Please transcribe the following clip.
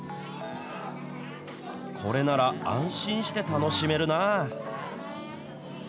これなら、安心して楽しめるなぁ。